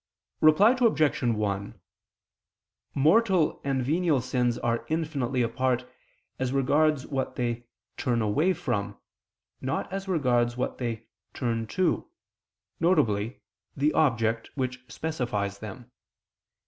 Reply Obj. 1: Mortal and venial sins are infinitely apart as regards what they turn away from, not as regards what they turn to, viz. the object which specifies them.